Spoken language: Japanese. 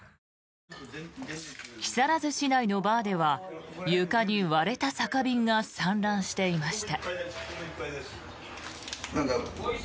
木更津市内のバーでは床に割れた酒瓶が散乱していました。